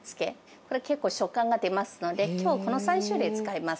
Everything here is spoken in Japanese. これ、結構食感が出ますので、きょう、この３種類使います。